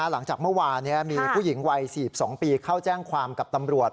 หลังจากเมื่อวานมีผู้หญิงวัย๔๒ปีเข้าแจ้งความกับตำรวจ